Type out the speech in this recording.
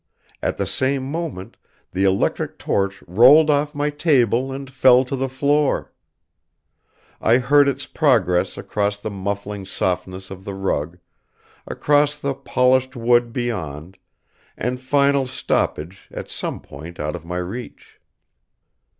At the same moment, the electric torch rolled off my table and fell to the floor. I heard its progress across the muffling softness of the rug, across the polished wood beyond, and final stoppage at some point out of my reach.